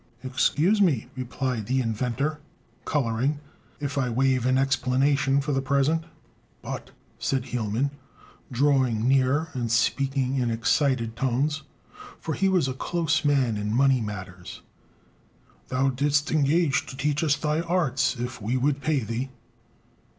"Excuse me," replied the inventor, coloring, "if I waive an explanation for the present." "But," said Hielman, drawing nearer and speaking in excited tones, for he was a close man in money matters, "thou didst engage to teach us thy arts, if we would pay thee."